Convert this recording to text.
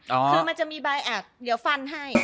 คือมันจะมีใบแอบเดี๋ยวฟันให้